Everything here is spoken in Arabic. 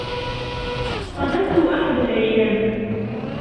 صادفته أحد الأيام.